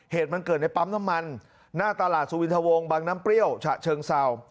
เหตุมันเกิดในปั๊มน้ำมันหน้าตลาดสุวินทวงบางน้ำเปรี้ยวฉะเชิงเศร้า